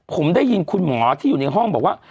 ผมได้ยินคุณหมอที่อยู่ในห้องบอกว่า